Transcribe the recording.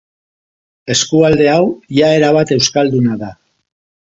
Eskualde hau ia erabat euskalduna da.